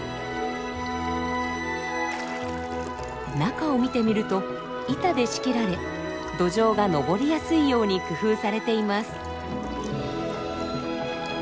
中を見てみると板で仕切られドジョウが登りやすいように工夫されています。